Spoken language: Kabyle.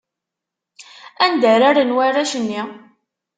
Anda ara rren warrac-nni?